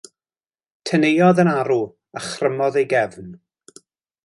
Teneuodd yn arw, a chrymodd ei gefn.